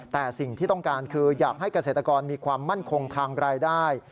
แต่สิ่งที่ต้องการคืออยากให้เกษตรกรมีความมั่นคงทางรายได้